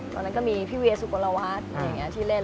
ตอนนั้นก็มีพี่เวียสุโกนลวัสท์ที่เล่น